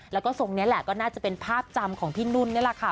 แล้วก็ทรงนี้แหละก็น่าจะเป็นภาพจำของพี่นุ่นนี่แหละค่ะ